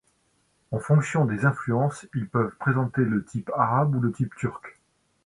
En fonction des influences, ils peuvent présenter le type Arabe ou le type Turc.